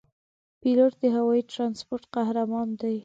پیلوټ د هوايي ترانسپورت قهرمان دی.